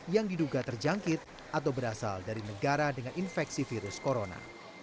yang diduga terjangkit atau berasal dari negara dengan infeksi virus corona